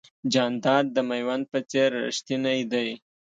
جانداد د مېوند په څېر رښتینی دی.